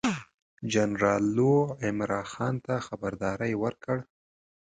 جنرال لو عمرا خان ته خبرداری ورکړ.